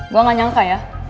gue gak nyangka ya